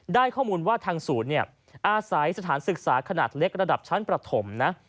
ข้อมูลว่าทางศูนย์อาศัยสถานศึกษาขนาดเล็กระดับชั้นประถมนะ